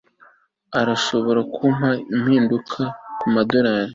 urashobora kumpa impinduka kumadorari